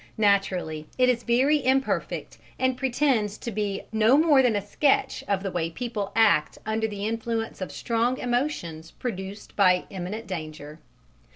Naturally it is very imperfect, and pretends to be no more than a sketch of the way people act under the influence of strong emotions produced by imminent danger.